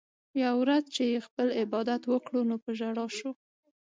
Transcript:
يوه ورځ چې ئې خپل عبادت وکړو نو پۀ ژړا شو